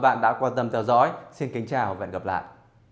và lyon cũng vậy